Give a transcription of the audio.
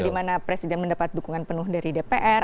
di mana presiden mendapat dukungan penuh dari dpr